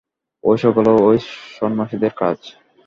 এ সকলই এই সন্ন্যাসীদের কাজ।